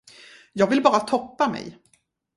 Jag vill bara toppa mig.